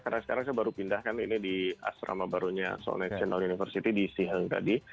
karena sekarang saya baru pindahkan ini di asrama barunya seoul national university di siheung tadi